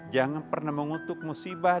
jangan pernah mengutuk musibah